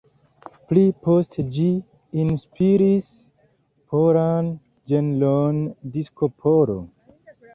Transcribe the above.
Pli poste ĝi inspiris polan ĝenron disko-polo.